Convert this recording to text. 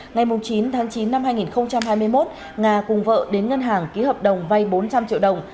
ngày chín tháng chín năm hai nghìn hai mươi một nga cùng vợ đến ngân hàng ký hợp đồng vay bốn trăm linh triệu đồng